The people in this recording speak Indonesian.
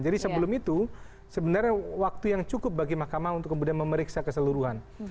jadi sebelum itu sebenarnya waktu yang cukup bagi mahkamah untuk kemudian memeriksa keseluruhan